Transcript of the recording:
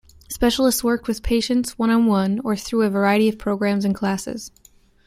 Specialists work with patients one-on-one, or through a variety of programs and classes.